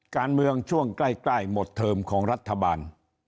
การเมืองช่วงใกล้หมดเทอมของรัฐบาล